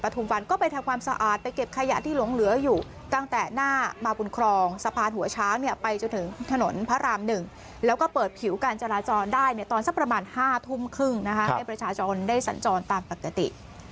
ทุ่มครึ่งนะครับให้ประชาชนได้สัญจรตามปกติ